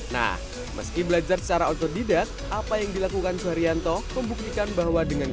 nah meski belajar secara otodidak apa yang dilakukan suharyanto membuktikan bahwa dengan